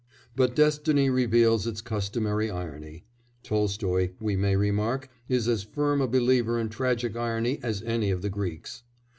But destiny reveals its customary irony (Tolstoy, we may remark, is as firm a believer in tragic irony as any of the Greeks).